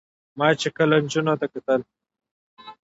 ما چې کله نجونو ته کتل